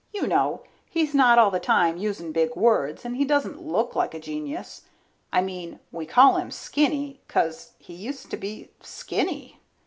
You know, he's not all the time using big words, and he doesn't look like a genius. I mean, we call him Skinny 'cause he used to be Skinny.